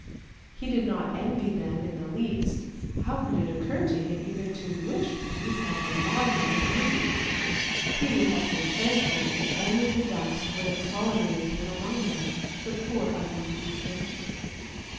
He did not envy them in the least, how could it occur to him even to wish to be such a marvel of beauty; he would have been thankful if only the ducks would have tolerated him among them — the poor ugly creature